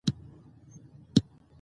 هغه افسر څه وویل؟